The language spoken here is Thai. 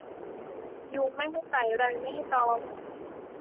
ยุงไม่ให้ไต่ ไรไม่ให้ตอม